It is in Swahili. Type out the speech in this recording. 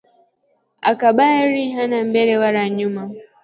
Akabaki hana mbele wala nyuma